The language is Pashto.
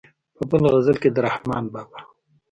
په بل غزل کې د رحمان بابا.